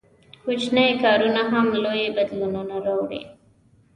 • کوچني کارونه هم لوی بدلونونه راوړي.